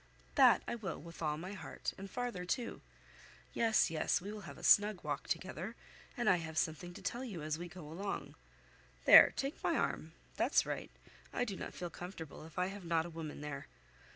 "That I will, with all my heart, and farther, too. Yes, yes we will have a snug walk together, and I have something to tell you as we go along. There, take my arm; that's right; I do not feel comfortable if I have not a woman there.